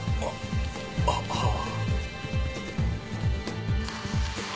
あっはあ。